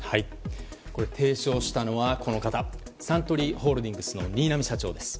提唱したのは、この方サントリーホールディングスの新浪社長です。